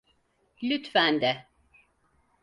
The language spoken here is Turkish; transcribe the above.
Lütfen de.